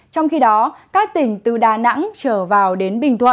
trong khi đó các tỉnh từ đà nẵng trở vào đến bình thuận